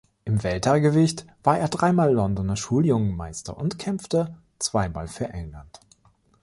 Im Weltergewicht war er dreimal Londoner Schuljungen-Meister und kämpfte zweimal für England.